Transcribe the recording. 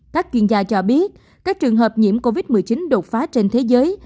các chuyên gia cho biết các trường hợp nhiễm covid một mươi chín đột phá trên thế giới